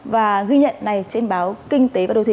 và ghi nhận này trên báo kinh tế và đông tin